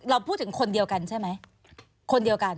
เราพูดถึงคนเดียวกันใช่ไหมคนเดียวกัน